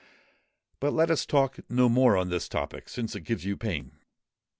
But let us talk no more on this topic—since it gives you pain.